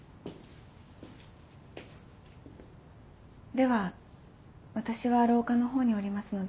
では私は廊下の方におりますので。